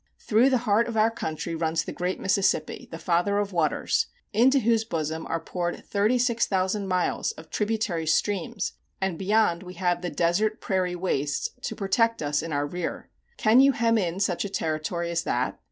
Through the heart of our country runs the great Mississippi, the father of waters, into whose bosom are poured thirty six thousand miles of tributary streams; and beyond we have the desert prairie wastes to protect us in our rear. Can you hem in such a territory as that?